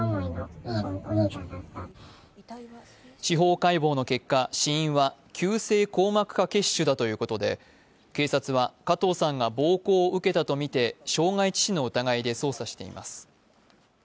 司法解剖の結果、死因は急性硬膜下血腫だということで警察は加藤さんが暴行を受けたとみて傷害致死の疑いで捜査しています。